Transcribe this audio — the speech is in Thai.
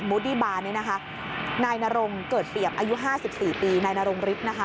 สมมุติบาร์นี้นะคะนายนารงเกิดเปรียบอายุห้าสิบสี่ปีนายนารงฤทธิ์นะคะ